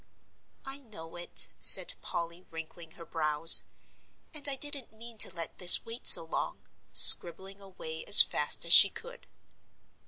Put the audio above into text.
"I know it," said Polly, wrinkling her brows, "and I didn't mean to let this wait so long," scribbling away as fast as she could.